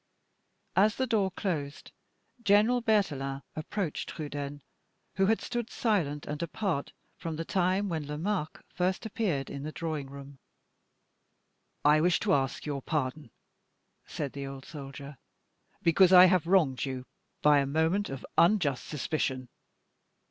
As the door closed, General Berthelin approached Trudaine, who had stood silent and apart, from the time when Lomaque first appeared in the drawing room. "I wish to ask your pardon," said the old soldier, "because I have wronged you by a moment of unjust suspicion.